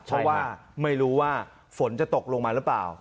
เพราะว่าไม่รู้ว่าฝนจะตกลงมาหรือเปล่า